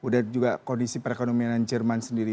dan juga kondisi perekonomian jerman sendiri